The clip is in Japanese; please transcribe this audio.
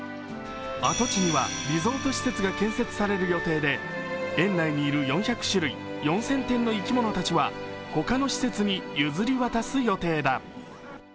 跡地にはリゾート施設が建設される予定で園内にいる４００種類、４０００点の生き物たちはほかの施設に譲り渡す予定だ。